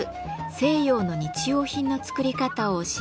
西洋の日用品の作り方を教えました。